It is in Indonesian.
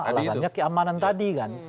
alasannya keamanan tadi kan